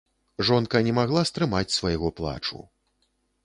Жонка не магла стрымаць свайго плачу.